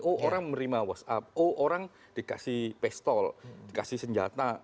oh orang menerima whatsapp oh orang dikasih pistol dikasih senjata